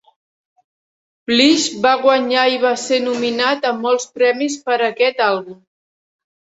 Blige va guanyar i va ser nominat a molts premis per aquest àlbum.